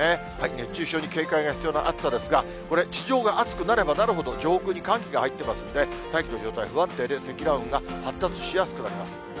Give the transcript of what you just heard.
熱中症に警戒が必要な暑さですが、これ、地上が暑くなればなるほど、上空に寒気が入ってますんで、大気の状態、不安定で、積乱雲が発達しやすくなります。